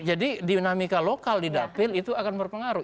jadi dinamika lokal di dapil itu akan berpengaruh